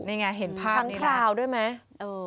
นี่ไงเห็นภาพนี้แหละฟังคราวด้วยไหมฟังคราวด้วยไหม